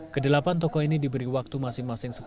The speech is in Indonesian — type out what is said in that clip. kedelapan tokoh ini diberi waktu masing masing sepuluh menit